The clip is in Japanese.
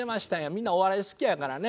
みんなお笑い好きやからね。